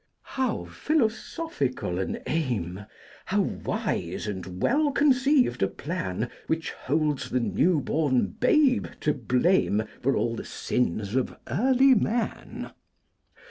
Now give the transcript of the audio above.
How philosophical an aim! How wise and well conceived a plan Which holds the new born babe to blame For all the sins of early man!